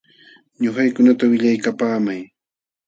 Ñuqaykunata willaykapaamay.